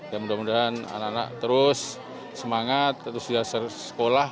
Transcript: dan mudah mudahan anak anak terus semangat terus setelah sekolah